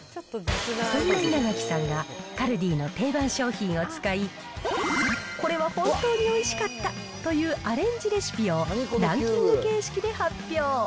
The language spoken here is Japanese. そんな稲垣さんが、カルディの定番商品を使い、これは本当においしかったというアレンジレシピをランキング形式で発表。